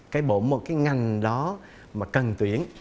cái bộ một cái ngành đó mà cần tuyển